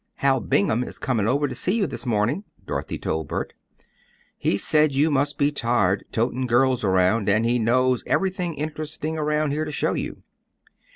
"Hal Bingham is coming over to see you this morning," Dorothy told Bert. "He said you must be tired toting girls around, and he knows everything interesting around here to show you."